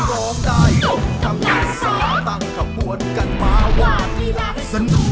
ร้องได้ยกกำลังซ่าตั้งขบวนกันมาว่ามีลักษณ์สนุก